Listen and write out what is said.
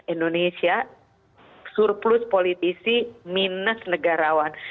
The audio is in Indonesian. indonesia surplus politisi minus negarawan